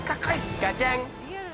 ◆ガチャン。